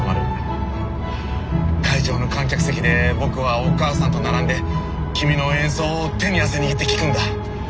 会場の観客席で僕はお母さんと並んで君の演奏を手に汗握って聴くんだ。